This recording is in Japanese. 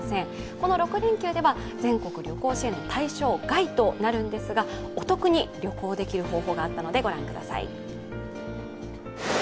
この６連休では全国旅行支援の対象外となるんですがお得に旅行できる方法があったのでご覧ください。